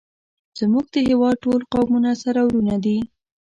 زمونږ د هیواد ټول قومونه سره ورونه دی